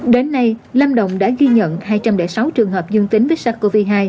đến nay lâm đồng đã ghi nhận hai trăm linh sáu trường hợp dương tính với sars cov hai